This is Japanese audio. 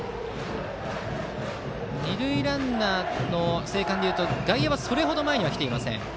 二塁ランナーの生還で言うと外野はそれほど前には来ていません。